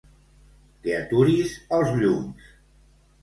Que aturis els llums.